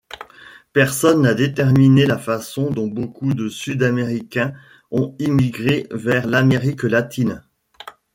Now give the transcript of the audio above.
Personne n'a déterminé la façon dont beaucoup de Sud-Américains ont émigré vers l'Amérique latine.